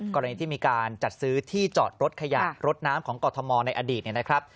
กรณีที่มีการจัดซื้อที่จอดรถขยะรถน้ำของกรทมในอดีตเนี่ยนะครับ